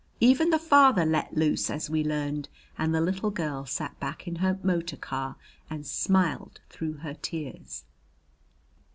Even the father "let loose," as we learned, and the little girl sat back in her motor car and smiled through her tears.